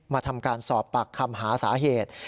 มาทำการสอบปากคำหาสาเหตุ